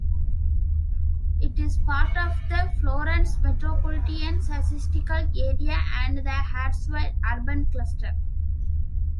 It is part of the Florence Metropolitan Statistical Area and the Hartsville Urban Cluster.